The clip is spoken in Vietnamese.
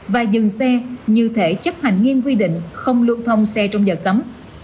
và dừng xe như thể chấp hành nghiêm quy định không lưu thông xe trong giờ cấm